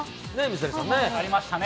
ありましたね。